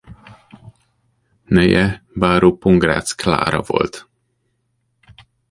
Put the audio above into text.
Neje báró Pongrácz Klára volt.